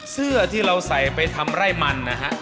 เสื้อที่เราใส่ไปทำไร่มันนะฮะ